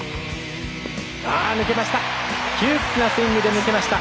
抜けました。